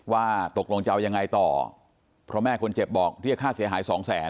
ว่าตกลงจะเอายังไงต่อเพราะแม่คนเจ็บบอกเรียกค่าเสียหายสองแสน